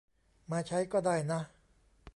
มาใช้ก็ได้นะ